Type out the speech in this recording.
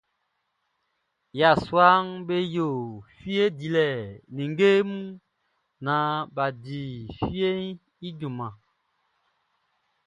Yasuaʼm be yo fie dilɛ ninnge mun naan bʼa di fieʼn i junman.